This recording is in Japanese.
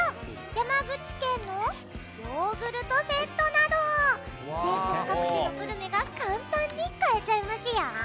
山口県のヨーグルトセットなど全国各地のグルメが簡単に買えちゃいますよ。